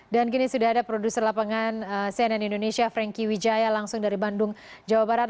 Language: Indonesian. dan kini sudah ada produser lapangan cnn indonesia frankie wijaya langsung dari bandung jawa barat